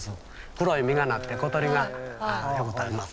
黒い実がなって小鳥がよく食べますね。